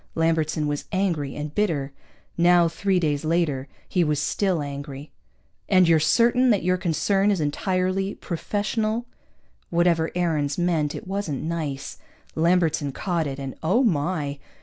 Lambertson was angry and bitter. Now, three days later, he was still angry. "And you're certain that your concern is entirely professional?" (Whatever Aarons meant, it wasn't nice. Lambertson caught it, and oh, my!